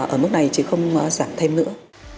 ở mức này chứ không giảm thêm nữa